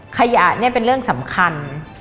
ขยะเป็นเรื่องสำคัญ